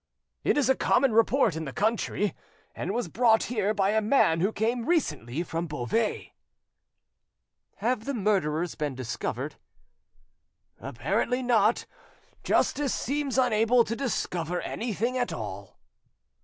"It is a common report in the country, and was brought here by a man who came recently from Beauvais." "Have the murderers been discovered?" "Apparently not; justice seems unable to discover anything at all."